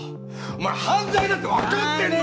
お前犯罪だってわかってんのか！